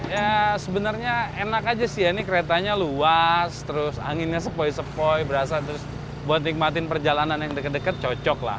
ya sebenarnya enak aja sih ya ini keretanya luas terus anginnya sepoi sepoi berasa terus buat nikmatin perjalanan yang deket deket cocok lah